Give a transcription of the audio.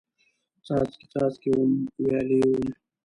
څاڅکي، څاڅکي وم، ویالې وم